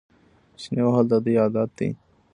چنې وهل د دوی عادت دی.